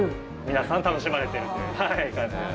皆さん楽しまれているって感じですね。